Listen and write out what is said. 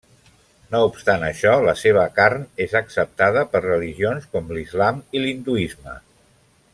No obstant això la seva carn és acceptada per religions com l'Islam i l'hinduisme.